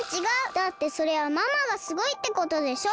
だってそれはママがすごいってことでしょ！